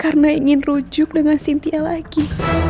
karena ingin rujuk dengan cynthia lagi